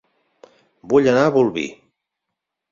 Vull anar a Bolvir